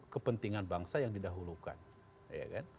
kepentingan bangsa yang didahului